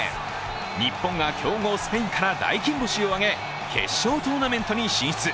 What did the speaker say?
日本が強豪スペインから大金星を挙げ、決勝トーナメントに進出。